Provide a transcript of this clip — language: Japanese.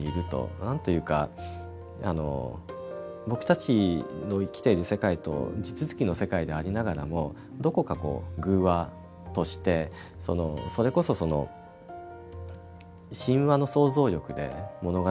なんというか、僕たちの生きている世界と地続きの世界でありながらもどこか、ぐう話としてそれこそ神話の想像力で物語を紡いでいるような気がして。